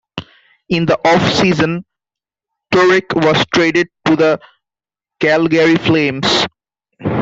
In the off season Turek was traded to the Calgary Flames.